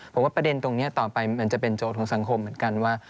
ผมว่าประเด็นตรงนี้ต่อไปมันจะเป็นโจทย์ของสังคมเหมือนกันว่า